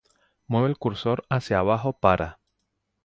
Mueve el cursor hacia abajo para